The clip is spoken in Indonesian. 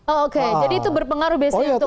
oh oke jadi itu berpengaruh biasanya untuk nebo